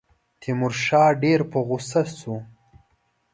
تیمورشاه ډېر په غوسه شو.